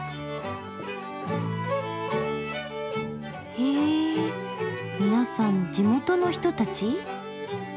へぇ皆さん地元の人たち？